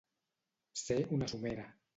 Ser una somera.